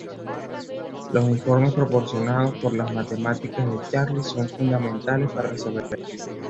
Los informes proporcionados por las matemáticas de Charlie son fundamentales para resolver el crimen.